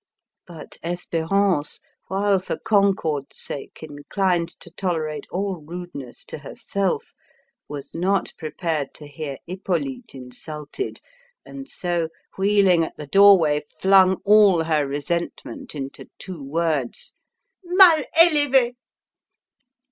But Espérance, while for concord's sake inclined to tolerate all rudeness to herself, was not prepared to hear Hippolyte insulted, and so, wheeling at the doorway, flung all her resentment into two words. "Mal élevée!"